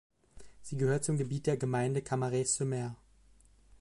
Sie gehört zum Gebiet der Gemeinde Camaret-sur-Mer.